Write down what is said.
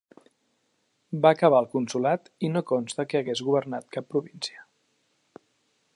Va acabar el consolat i no consta que hagués governat cap província.